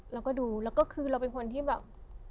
เราก็ดูแล้วก็คือเราเป็นคนที่แบบ